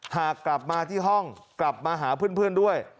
หากกลับมาที่ห้องกลับมาหาเพื่อนด้วย